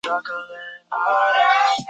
祖父杜思贤。